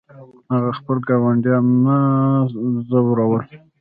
هغه خپل ګاونډیان نه ځورول.